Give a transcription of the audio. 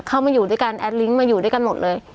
มาอยู่ด้วยกันแอดลิงก์มาอยู่ด้วยกันหมดเลย